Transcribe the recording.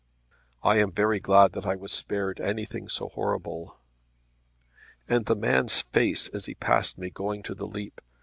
"I am very glad that I was spared anything so horrible." "And the man's face as he passed me going to the leap!